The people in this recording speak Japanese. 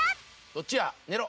どっちや？